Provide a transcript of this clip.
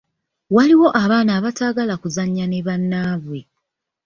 Waliwo abaana abataagala kuzannya ne bannaabwe.